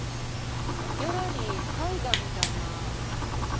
ギャラリー絵画みたいなのか。